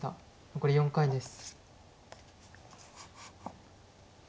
残り４回です。